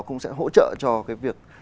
cũng sẽ hỗ trợ cho cái việc